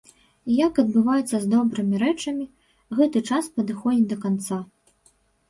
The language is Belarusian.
І як адбываецца з добрымі рэчамі, гэты час падыходзіць да канца.